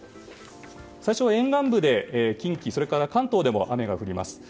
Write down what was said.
最初は沿岸部で近畿、関東でも雨が降ります。